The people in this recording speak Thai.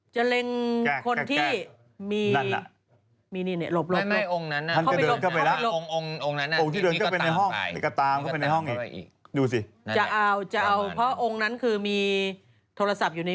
แกล้งแกล้งแกล้งแกล้งแกล้งแกล้งแกล้งแกล้งแกล้งแกล้งแกล้งแกล้งแกล้งแกล้ง